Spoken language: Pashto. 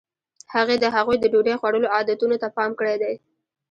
هغې د هغوی د ډوډۍ خوړلو عادتونو ته پام کړی دی.